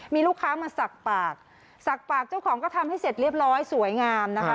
มีลูกค้ามาสักปากสักปากเจ้าของก็ทำให้เสร็จเรียบร้อยสวยงามนะคะ